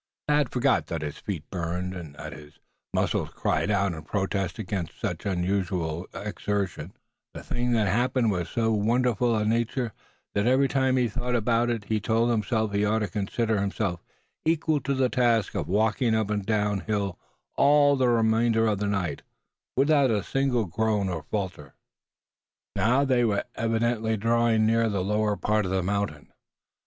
Thad forgot that his feet burned, and that his muscles cried out in protest against such unusual exertion; the thing that had happened was of so wonderful a nature that every time he thought about it he told himself he ought to consider himself equal to the task of walking up and down hill all the remainder of the night, without a single groan or falter. Now they were evidently drawing nearer the lower part of the mountain.